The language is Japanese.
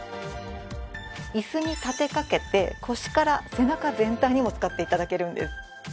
イスに立て掛けて腰から背中全体にも使って頂けるんです。